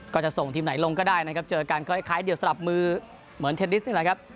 ก็จะส่งทีมไหนลงก็ได้นะครับเจอกันก็คล้ายเดี๋ยวสลับมือเหมือนเทนนิสนี่แหละครับ